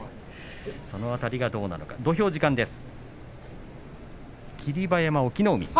その辺りどうなるか土俵時間です。